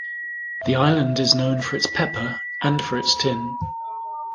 The island is known for its pepper and for its tin.